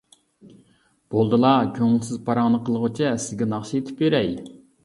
— بولدىلا، كۆڭۈلسىز پاراڭنى قىلغۇچە سىزگە ناخشا ئېيتىپ بېرەي.